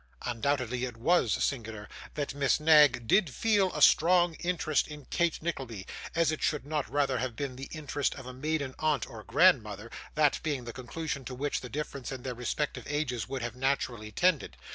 Undoubtedly it was singular, that if Miss Knag did feel a strong interest in Kate Nickleby, it should not rather have been the interest of a maiden aunt or grandmother; that being the conclusion to which the difference in their respective ages would have naturally tended.